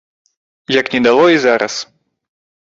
Як не дало і зараз.